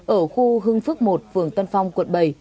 ở khu hưng phước một phường tân phong quận bảy